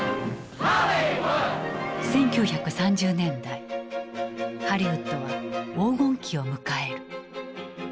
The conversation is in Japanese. １９３０年代ハリウッドは黄金期を迎える。